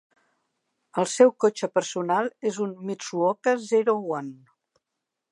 El seu cotxe personal és un Mitsuoka Zero One.